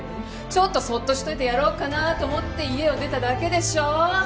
ちょっとそっとしておいてやろうかなと思って家を出ただけでしょ！